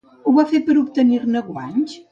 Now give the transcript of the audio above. Ho va fer per obtenir-ne guanys?